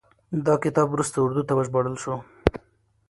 دا کتاب وروستو اردو ته وژباړل شو.